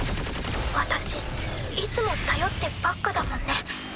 私いつも頼ってばっかだもんね。